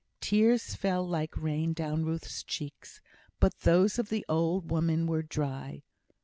Tears fell like rain down Ruth's cheeks; but those of the old woman were dry.